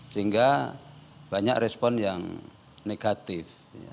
sehingga banyak respon yang negatif